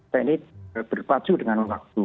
saya ini berpacu dengan waktu